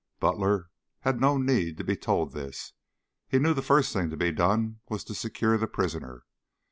Butler had no need to be told this. He knew the first thing to be done was to secure the prisoner.